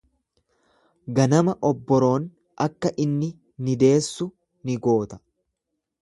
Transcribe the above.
Ganama obboroon akka inni ni deessu ni goota.